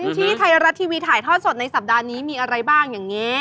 ที่ไทยรัฐทีวีถ่ายทอดสดในสัปดาห์นี้มีอะไรบ้างอย่างนี้